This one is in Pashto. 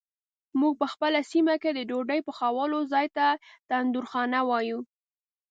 مونږ په خپله سیمه کې د ډوډۍ پخولو ځای ته تندورخانه وایو.